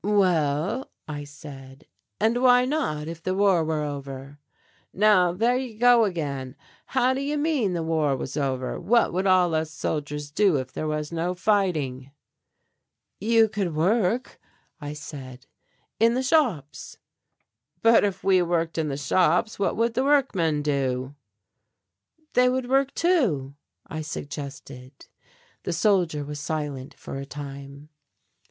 "Well," I said, "and why not, if the war were over?" "Now there you go again how do you mean the war was over, what would all us soldiers do if there was no fighting?" "You could work," I said, "in the shops." "But if we worked in the shops, what would the workmen do?" "They would work too," I suggested. The soldier was silent for a time.